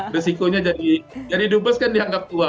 risikonya jadi dubes kan dianggap tua